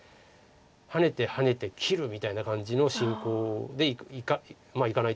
ハネてハネて切るみたいな感じの進行でいかないと黒としてはおかしい。